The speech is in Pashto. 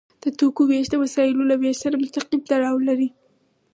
د توکو ویش د وسایلو له ویش سره مستقیم تړاو لري.